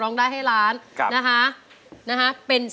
ร้องเข้าให้เร็ว